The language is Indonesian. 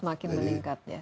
semakin meningkat ya